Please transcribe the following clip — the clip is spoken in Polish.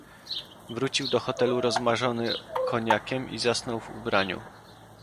"Wrócił do hotelu rozmarzony koniakiem i zasnął w ubraniu."